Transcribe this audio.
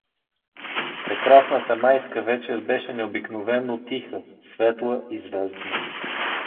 Прекрасната майска вечер беше необикновено тиха, светла и звездна.